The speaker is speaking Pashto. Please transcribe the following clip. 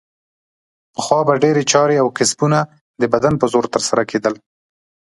پخوا به ډېرې چارې او کسبونه د بدن په زور ترسره کیدل.